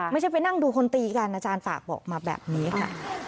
ไม่ใช่ไปนั่งดูคนตีกันอาจารย์ฝากบอกมาแบบนี้ค่ะ